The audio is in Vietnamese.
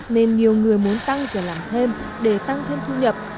nên nhiều người muốn tăng giờ làm thêm để tăng thêm thu nhập